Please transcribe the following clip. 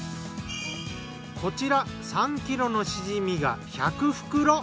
こちら３ｋｇのシジミが１００袋。